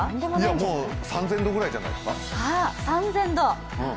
もう３０００度くらいじゃないですか？